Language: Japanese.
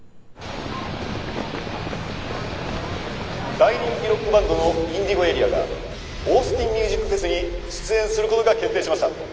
大人気ロックバンドのＩｎｄｉｇｏＡＲＥＡがオースティンミュージックフェスに出演することが決定しました。